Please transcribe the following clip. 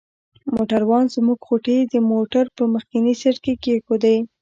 موټروان زموږ غوټې د موټر په مخکني سیټ کې کښېښودې.